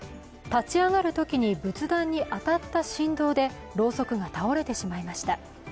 立ち上がるときに仏壇に当たった振動でろうそくが倒れてしまいました。